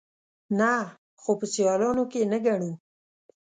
_نه، خو په سيالانو کې يې نه ګڼو.